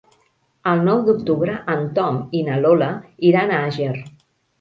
El nou d'octubre en Tom i na Lola iran a Àger.